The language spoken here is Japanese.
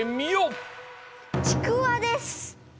ちくわです！